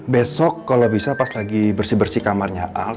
besok kalau bisa pas lagi bersih bersih kamarnya